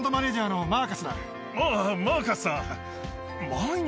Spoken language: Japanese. あぁマーカスさん！